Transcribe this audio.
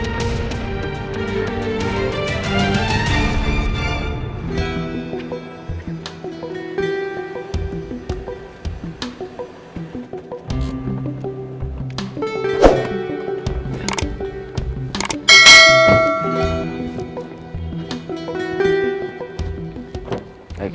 sampai jumpa lagi